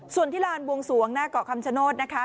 ส่วนที่ลานบวงสวงหน้าเกาะคำชโนธนะคะ